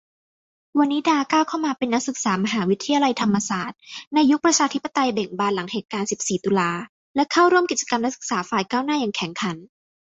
วนิดาก้าวเข้ามาเป็นนักศึกษามหาวิทยาลัยธรรมศาสตร์ในยุคประชาธิปไตยเบ่งบาน หลังเหตุการณ์ สิบสี่ ตุลา และเข้าร่วมกิจกรรม นักศึกษาฝ่ายก้าวหน้าอย่างแข็งขัน